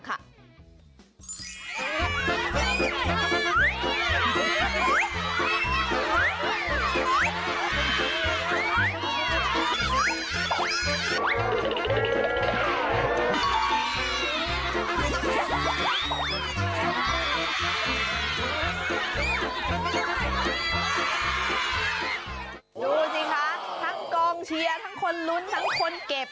ดูสิคะทั้งกองเชียร์ทั้งคนลุ้นทั้งคนเก็บ